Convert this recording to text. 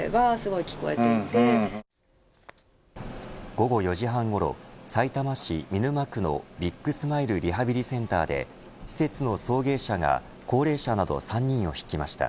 午後４時半ごろさいたま市見沼区のビッグスマイルリハビリセンターで施設の送迎車が高齢者など３人をひきました。